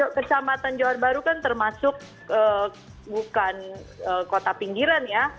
kecamatan johar baru kan termasuk bukan kota pinggiran ya